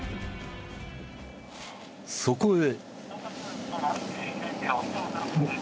そこへ。